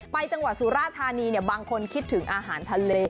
จังหวัดสุราธานีบางคนคิดถึงอาหารทะเล